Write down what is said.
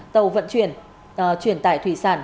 tàu vận chuyển chuyển tại thủy sản